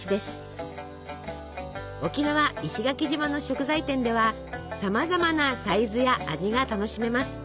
沖縄石垣島の食材店ではさまざまなサイズや味が楽しめます。